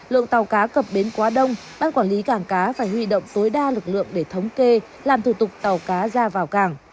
lượng tàu cá cập bến quá đông ban quản lý cảng cá phải huy động tối đa lực lượng để thống kê làm thủ tục tàu cá ra vào cảng